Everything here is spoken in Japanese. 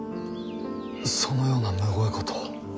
そのようなむごいことを。